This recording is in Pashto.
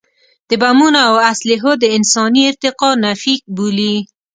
د بمونو او اسلحو د انساني ارتقا نفي بولي.